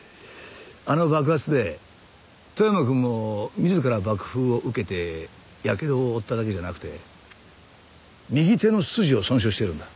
あの爆発で富山くんも自ら爆風を受けてやけどを負っただけじゃなくて右手の筋を損傷してるんだ。